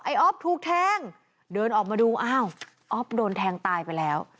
อ๊อฟถูกแทงเดินออกมาดูอ้าวอ๊อฟโดนแทงตายไปแล้ว